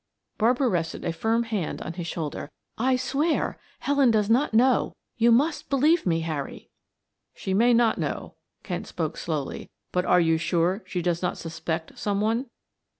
Barbara rested a firm hand on his shoulder. "I swear Helen does not know. You must believe me, Harry." "She may not know," Kent spoke slowly. "But are you sure she does not suspect some one?"